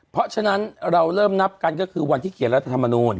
เพราะฉะนั้นเราเริ่มนับกันก็คือวันที่เขียนรัฐธรรมนูล